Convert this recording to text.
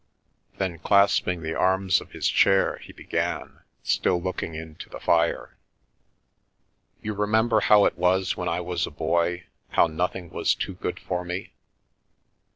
Then, clasp ing the arms of his chair, he began, still looking into the fire. " You remember how it was when I was a boy, how nothing was too good for me